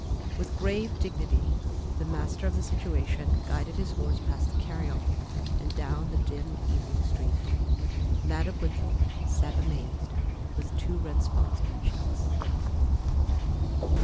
With grave dignity, the master of the situation guided his horse past the carryall and down the dim evening street. Madam Winthrop sat amazed, with two red spots on her cheeks.